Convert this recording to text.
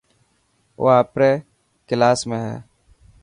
او آپري ڪلاس ۾ هي.